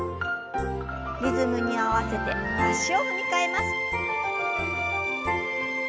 リズムに合わせて足を踏み替えます。